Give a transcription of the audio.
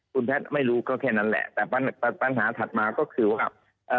คุณแพทย์ไม่รู้ก็แค่นั้นแหละแต่ปัญหาถัดมาก็คือว่า